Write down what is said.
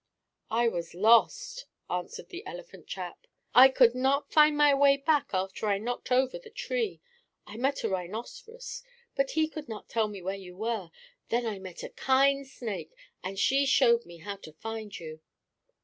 "I was lost," answered the elephant chap. "I could not find my way back after I knocked over the tree. I met a rhinoceros, but he could not tell me where you were. Then I met a kind snake, and she showed me how to find you."